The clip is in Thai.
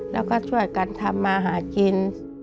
แล้วก็ช่วยกันทำมาหากิน